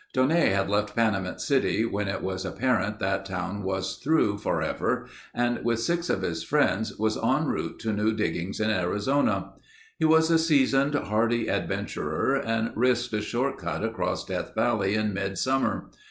Daunet had left Panamint City when it was apparent that town was through forever and with six of his friends was en route to new diggings in Arizona. He was a seasoned, hardy adventurer and risked a short cut across Death Valley in mid summer.